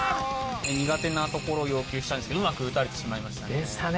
苦手なところを要求したんですけどうまく打たれてしまいましたね。